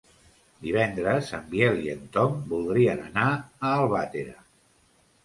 Divendres en Biel i en Tom voldrien anar a Albatera.